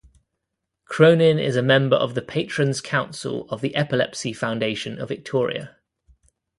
Cronin is a member of the Patrons Council of the Epilepsy Foundation of Victoria.